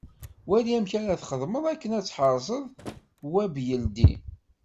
Wali amek ara txedmeḍ akken ad tḥerzeḍ Web yeldi.